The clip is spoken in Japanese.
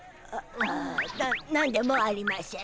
な何でもありましぇん。